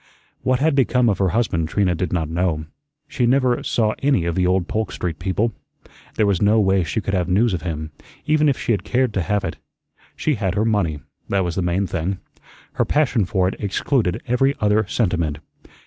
What had become of her husband Trina did not know. She never saw any of the old Polk Street people. There was no way she could have news of him, even if she had cared to have it. She had her money, that was the main thing. Her passion for it excluded every other sentiment.